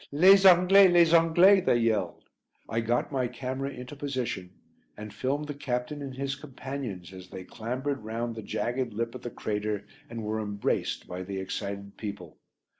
"Les Anglais! Les Anglais!" they yelled. I got my camera into position and filmed the captain and his companions as they clambered round the jagged lip of the crater and were embraced by the excited people.